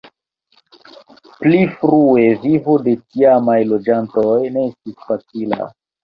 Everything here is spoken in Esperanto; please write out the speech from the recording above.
Pli frue vivo de tiamaj loĝantoj ne estis facila.